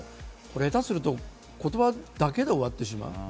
下手すると言葉だけで終わってしまう。